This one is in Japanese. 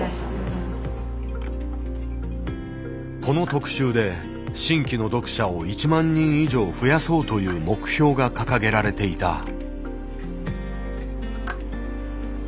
この特集で新規の読者を１万人以上増やそうという目標が掲げられていた。